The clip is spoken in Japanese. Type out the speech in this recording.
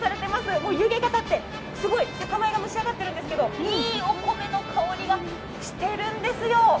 もう湯気が立って、酒米が蒸し上がっているんですけどいいお米の香りがしているんですよ。